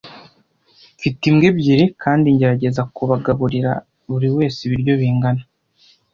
Mfite imbwa ebyiri kandi ngerageza kubagaburira buriwese ibiryo bingana.